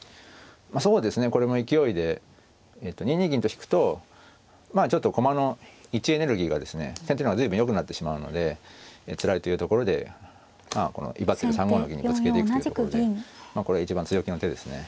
そうですねこれも勢いで２二銀と引くとまあちょっと駒の位置エネルギーがですね先手の方が随分よくなってしまうのでつらいというところでこの威張ってる３五の銀にぶつけていくというところでこれが一番強気の手ですね。